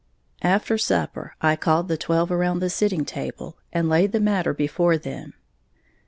After supper I called the twelve around the sitting room table, and laid the matter before them.